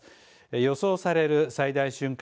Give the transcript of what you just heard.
予想される最大瞬間